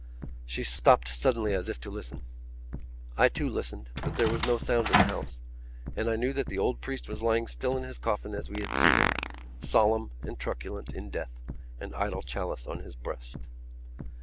She stopped suddenly as if to listen. I too listened; but there was no sound in the house: and I knew that the old priest was lying still in his coffin as we had seen him, solemn and truculent in death, an idle chalice on his breast.